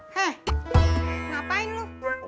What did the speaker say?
hah ngapain lu